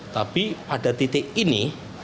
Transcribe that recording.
tapi pada titik ini